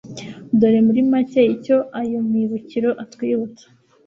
dore muri make icyo ayo mibukiro atwibutsa